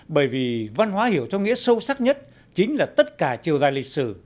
bởi vì văn hóa hiểu cho nghĩa sâu sắc nhất chính là tất cả chiều dài lịch sử